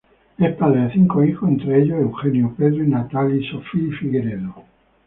Es padre de cinco hijos entre ellos Eugenio Pedro y Natalie Sophie Figueredo.